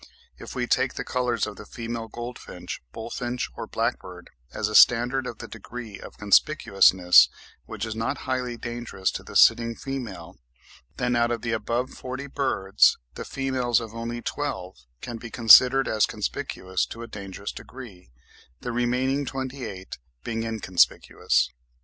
If we take the colours of the female goldfinch, bullfinch, or blackbird, as a standard of the degree of conspicuousness, which is not highly dangerous to the sitting female, then out of the above forty birds the females of only twelve can be considered as conspicuous to a dangerous degree, the remaining twenty eight being inconspicuous.